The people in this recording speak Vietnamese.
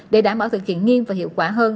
để đảm bảo thực hiện nghiêm và hiệu quả hơn